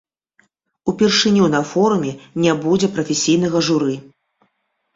Упершыню на форуме не будзе прафесійнага журы.